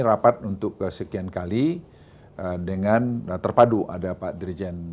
rapat untuk kesekian kali dengan terpadu ada pak dirjen